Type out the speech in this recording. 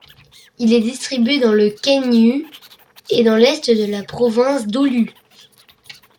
Il est distribué dans le Kainuu et dans l'est de la province d'Oulu.